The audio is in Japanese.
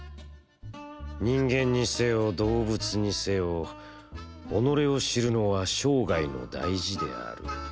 「人間にせよ、動物にせよ、己を知るのは生涯の大事である。